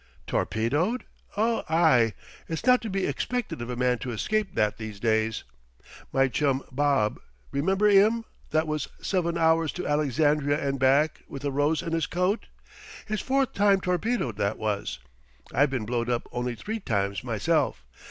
"Torpedoed? Oh, aye. It's not to be expected of a man to escape that these days. My chum Bob, remember 'im that was seven hours to Alexandria and back with a rose in his coat? His fourth time torpedoed, that was. I've been blowed up only three times myself.